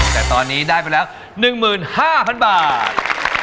แต่ตอนนี้ได้ไปแล้ว๑๕๐๐๐บาท